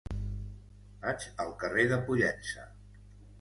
Vaig al carrer de Pollença.